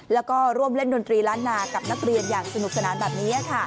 แล้วก็ร่วมเล่นดนตรีล้านนากับนักเรียนอย่างสนุกสนานแบบนี้